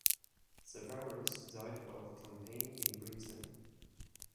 Severus died while campaigning in Britain.